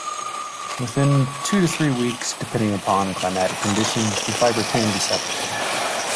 Within two to three weeks, depending upon climatic conditions, the fibre can be separated.